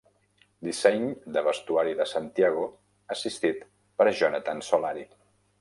Disseny de vestuari de Santiago, assistit per Jonathan Solari.